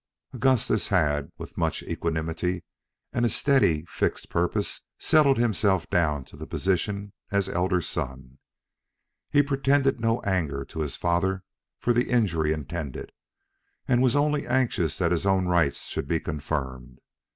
Augustus had, with much equanimity and a steady, fixed purpose, settled himself down to the position as elder son. He pretended no anger to his father for the injury intended, and was only anxious that his own rights should be confirmed.